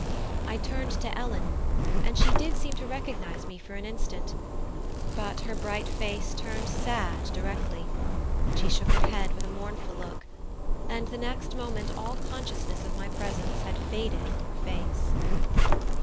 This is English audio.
I turned to Ellen, and she did seem to recognise me for an instant; but her bright face turned sad directly, and she shook her head with a mournful look, and the next moment all consciousness of my presence had faded from her face.